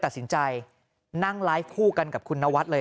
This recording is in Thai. ตัดสินใจนั่งไลฟ์คู่กันกับคุณนวัดเลย